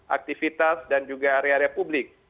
aktivitas dan juga area area publik